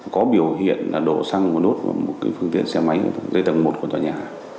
có biểu hiện đổ xăng và đốt vào một phương tiện xe máy dưới tầng một của tòa nhà